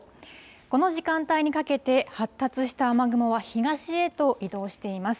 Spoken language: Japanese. この時間帯にかけて、発達した雨雲は東へと移動しています。